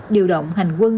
điều động hành quân